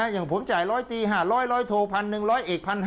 อย่างผมจ่ายร้อยตี๕๐๐ร้อยโทพันหนึ่งร้อยเอก๑๕๐๐